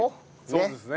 そうですね。